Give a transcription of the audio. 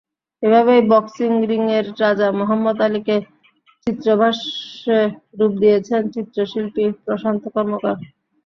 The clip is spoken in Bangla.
এভাবেই বক্সিং রিংয়ের রাজা মোহাম্মদ আলীকে চিত্রভাষ্যে রূপ দিয়েছেন চিত্রশিল্পী প্রশান্ত কর্মকার।